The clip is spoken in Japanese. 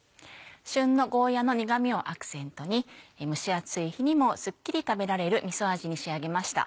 旬のゴーヤの苦みをアクセントに蒸し暑い日にもすっきり食べられるみそ味に仕上げました。